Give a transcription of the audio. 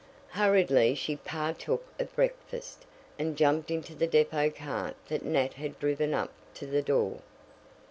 Hurriedly she partook of breakfast and jumped into the depot cart that Nat had driven up to the door.